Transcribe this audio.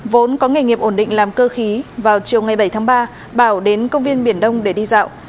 vốn có nghề nghiệp ổn định làm cơ khí vào chiều ngày bảy tháng ba bảo đến công viên biển đông để đi dạo